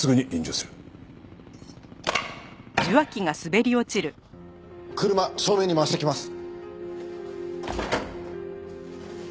車正面に回してきます！